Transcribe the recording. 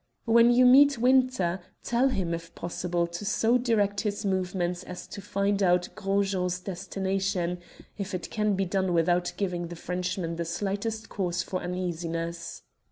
"When you meet Winter, tell him, if possible, to so direct his movements as to find out Gros Jean's destination, if it can be done without giving the Frenchman the slightest cause for uneasiness.